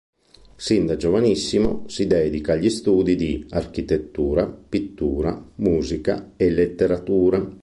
Sin da giovanissimo si dedica agli studi di architettura, pittura, musica e letteratura.